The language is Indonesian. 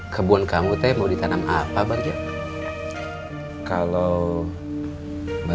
kebun kamu teh mau ditanam apa barce